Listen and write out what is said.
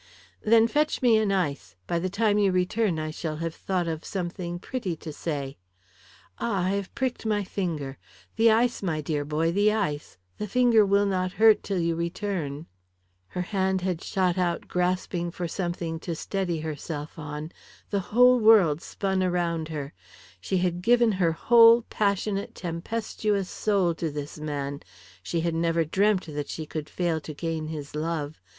"Then fetch me an ice. By the time you return I shall have thought of something pretty to say. Ah, I have pricked my finger. The ice, my dear boy, the ice. The finger will not hurt till you return." Her hand had shot out grasping for something to steady herself on the whole world spun around her. She had given her whole passionate, tempestuous soul to this man; she had never dreamt that she could fail to gain his love.